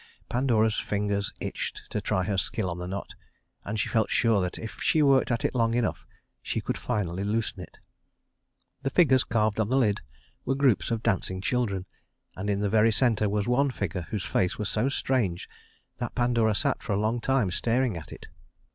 Pandora's fingers itched to try her skill on the knot, and she felt sure that if she worked at it long enough, she could finally loosen it. The figures carved on the lid were groups of dancing children, and in the very center was one figure whose face was so strange that Pandora sat for a long time staring at it.